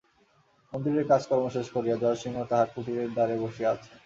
মন্দিরের কাজকর্ম শেষ করিয়া জয়সিংহ তাঁহার কুটিরের দ্বারে বসিয়া আছেন।